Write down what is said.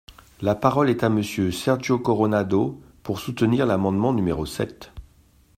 La parole est à Monsieur Sergio Coronado, pour soutenir l’amendement numéro sept.